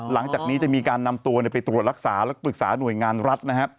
หลังจากนี้จะมีการนำตัวไปตรวจรักษาแล้วก็ปรึกษาหน่วยงานรัฐนะฮะ